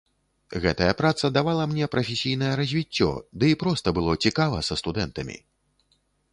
Гэтая праца давала мне прафесійнае развіццё, ды і проста было цікава са студэнтамі!